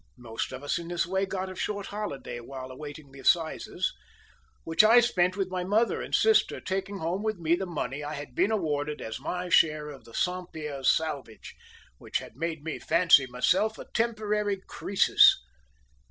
Most of us in this way got a short holiday while awaiting the assizes, which I spent with my mother and sister, taking home with me the money I had been awarded as my share of the Saint Pierre's salvage, which had made me fancy myself a temporary Croesus.